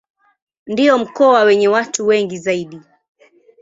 Ndio mkoa wenye watu wengi zaidi.